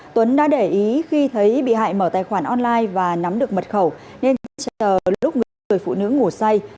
tuấn đã để ý khi thấy bị hại mở tài khoản online và nắm được mật khẩu nên chờ lúc những người phụ nữ ngủ say